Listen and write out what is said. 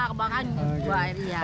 ke bawah kan